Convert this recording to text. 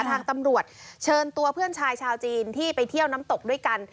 ทางตำรวจเชิญตัวเพื่อนชายชาวจีนที่ไปเที่ยวน้ำตกด้วยกัน